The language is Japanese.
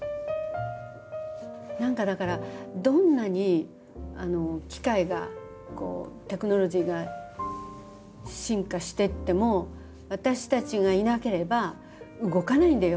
何かだから「どんなに機械がこうテクノロジーが進化してっても私たちがいなければ動かないんだよ